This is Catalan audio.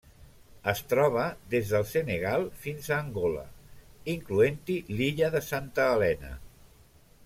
Es troba des del Senegal fins a Angola, incloent-hi l'illa de Santa Helena.